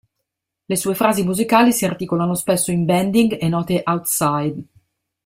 Le sue frasi musicali si articolano spesso in bending e note "outside".